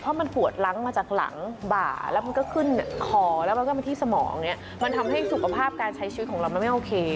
เพราะมันปวดล้างมาจากหลังบ่าแล้วมันก็ขึ้นคอแล้วมันก็มาที่สมองเนี่ยมันทำให้สุขภาพการใช้ชีวิตของเรามันไม่โอเค